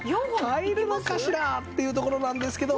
大丈夫かしら？っていうところなんですけど。